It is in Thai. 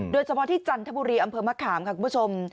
โดยเฉพาะที่จันทบุรีอำเภอมะขามค่ะคุณผู้ชม